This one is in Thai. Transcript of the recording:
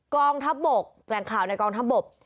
กองทัพบกแหล่งข่าวในกองทัพบก